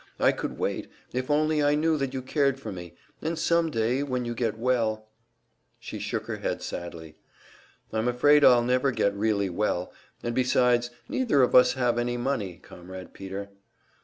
I could wait, if only I knew that you cared for me; and some day, when you get well " She shook her head sadly. "I'm afraid I'll never get really well. And besides, neither of us have any money, Comrade Peter."